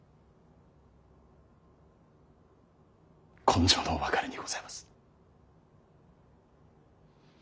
今生の別れにございます。